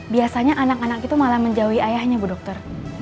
biasanya anak anak itu malah menjauhi ayahnya bu dokter